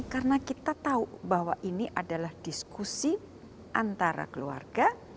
karena kita tahu bahwa ini adalah diskusi antara keluarga